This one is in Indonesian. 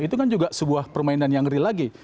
itu kan juga sebuah permainan yang real lagi